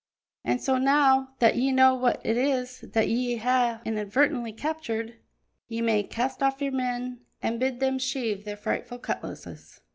An' so, now that ye know wha it is that ye hae inadvertently captured, ye may ca' off your men an' bid them sheathe their frightful cutlasses."